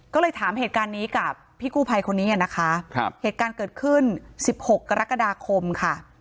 ก็เลยถามเหตุการณ์นี้กับพี่กู้ภัยคนนี้นะคะเหตุการณ์เกิดขึ้น๑๖กรกฎาคมค่ะ